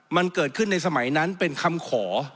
มันเกิดขึ้นในสมัยนั้นเป็นคำขอ